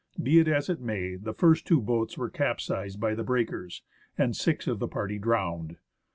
Be it as it may, the first two boats were capsized by the breakers, and six of the party drowned.